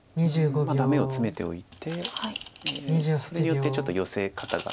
ダメをツメておいてそれによってちょっとヨセ方が。